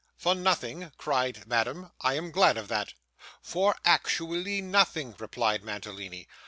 'For nothing,' cried Madame, 'I am glad of that.' 'For actually nothing,' replied Mantalini.